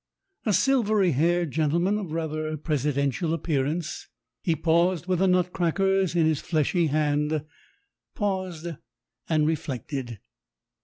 A silvery haired gentleman of rather presi dential appearance, he paused with the nut crackers in his fleshy hand paused and reflected.